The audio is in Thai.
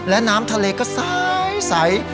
และน้ำทะเลก็สายใส